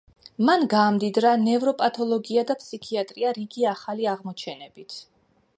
მან გაამდიდრა ნევროპათოლოგია და ფსიქიატრია რიგი ახალი აღმოჩენებით.